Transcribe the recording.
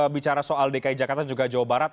bicara soal dki jakarta juga jawa barat